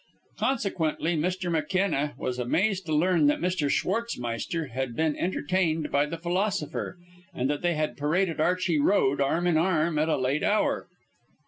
Consequently, Mr. McKenna was amazed to learn that Mr. Schwartzmeister had been entertained by the philosopher, and that they had paraded Archey Road arm in arm at a late hour.